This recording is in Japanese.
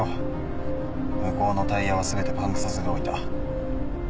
向こうのタイヤは全てパンクさせておいた。